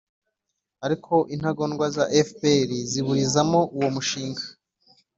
ariko intagondwa za fpr ziburizamo uwo mushinga.